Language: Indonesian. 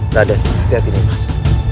raden hati hati nih mas